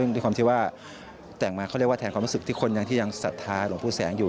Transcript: ด้วยความที่ว่าแต่งมาเขาเรียกว่าแทนความรู้สึกที่คนยังที่ยังศรัทธาหลวงปู่แสงอยู่